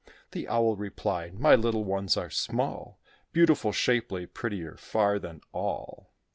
The Owl replied, "My little ones are small, Beautiful, shapely, prettier, far, than all.